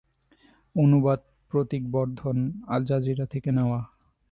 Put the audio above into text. অনুবাদ Pratik Bardhan, Al Jazeera থেকে নেওয়া।